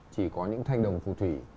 chỉ có những thanh đồng phù thủy